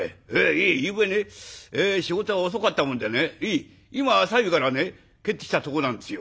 いやゆうべね仕事が遅かったもんでね今朝湯から帰ってきたとこなんですよ。